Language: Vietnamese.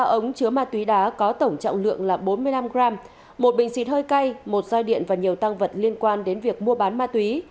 ba ống chứa ma túy đá có tổng trọng lượng là bốn mươi năm gram một bình xịt hơi cay một roi điện và nhiều tăng vật liên quan đến việc mua bán ma túy